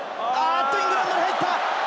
イングランドに入った。